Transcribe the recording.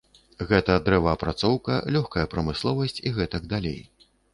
Гэта дрэваапрацоўка, лёгкая прамысловасць і гэтак далей.